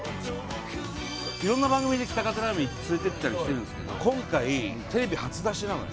いろんな番組で喜多方ラーメン連れていったりしてるんですけど今回テレビ初出しなのよ。